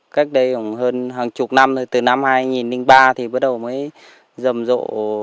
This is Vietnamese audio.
cách đây khoảng hơn hàng chục năm rồi từ năm hai nghìn ba thì bắt đầu mới dầm dộ